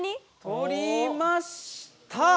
とりました！